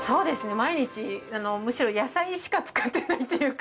毎日むしろ野菜しか使ってないっていうか。